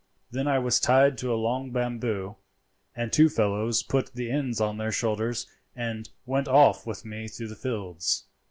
Then I was tied to a long bamboo, and two fellows put the ends on their shoulders and went off with me through the fields.